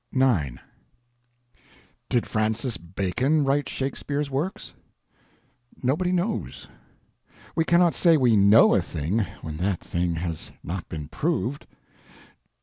IX Did Francis Bacon write Shakespeare's Works? Nobody knows. We cannot say we know a thing when that thing has not been proved.